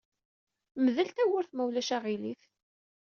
Mdel tawwurt, ma ulac aɣilif.